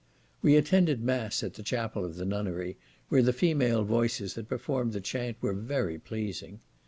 We attended mass at the chapel of the nunnery, where the female voices that performed the chant were very pleasing.